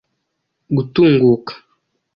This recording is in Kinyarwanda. gutunguka ».